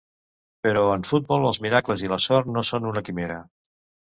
Però en futbol els miracles i la sort no són una quimera.